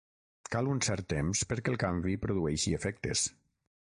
Cal un cert temps perquè el canvi produeixi efectes.